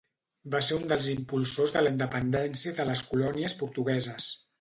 Va ser un dels impulsors de la independència de les colònies portugueses.